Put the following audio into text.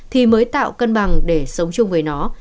thì mới tạo cân bằng để sống chung với nó